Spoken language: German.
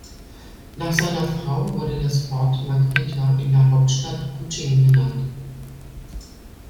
Nach seiner Frau wurde das Fort Margherita in der Hauptstadt Kuching benannt.